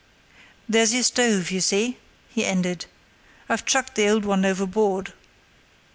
"There's your stove, you see," he ended; "I've chucked the old one overboard."